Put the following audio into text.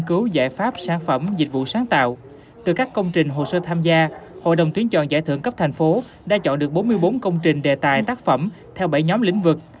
chúng tôi đã chọn được bốn mươi bốn công trình đề tài tác phẩm theo bảy nhóm lĩnh vực